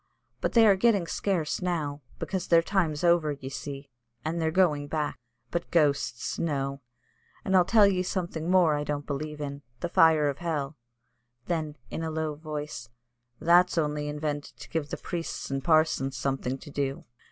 But they are getting scarce now, because their time's over, ye see, and they're going back. But ghosts, no! And I'll tell ye something more I don't believe in the fire of hell;" then, in a low voice, "that's only invented to give the priests and the parsons something to do."